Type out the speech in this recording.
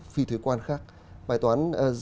phi thuế quan khác bài toán